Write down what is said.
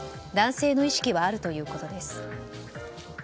男性の意識はあるということです。